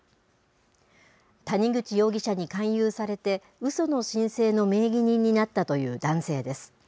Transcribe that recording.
谷口容疑者に勧誘されて、うその申請の名義人になったという男性です。